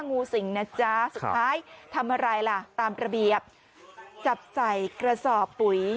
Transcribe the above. งูสิงนะจ๊ะสุดท้ายทำอะไรล่ะตามระเบียบจับใส่กระสอบปุ๋ย